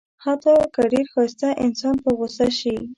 حتی که ډېر ښایسته انسان په غوسه شي.